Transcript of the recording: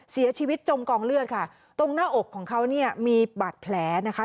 จมกองเลือดค่ะตรงหน้าอกของเขาเนี่ยมีบาดแผลนะคะ